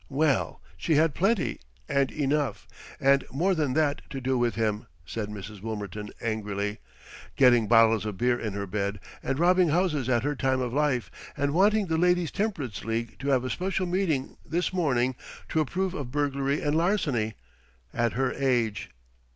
"Well, she had plenty, and enough, and more than that to do with him," said Mrs. Wilmerton angrily. "Getting bottles of beer in her bed, and robbing houses at her time of life, and wanting the Ladies' Temperance League to have a special meeting this morning to approve of burglary and larceny! At her age!"